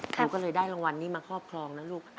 หนูก็เลยได้รางวัลนี้มาครอบครองนะลูก